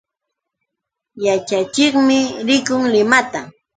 Yaćhachiqmi rikun Limata.